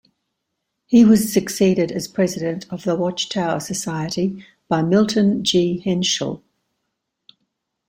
He was succeeded as president of the Watch Tower Society by Milton G. Henschel.